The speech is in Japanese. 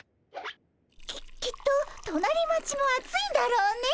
ききっと隣町も暑いだろうね。